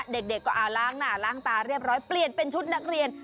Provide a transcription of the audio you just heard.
เด็กก็เอาล้างหน้าล้างตาเรียบร้อยเปลี่ยนเป็นชุดนักเรียน